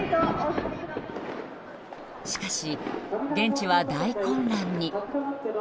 しかし、現地は大混乱に。